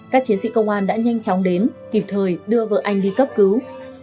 các chiến sĩ công an đã nhanh chóng đến kịp thời đưa vợ anh đi cấp cứu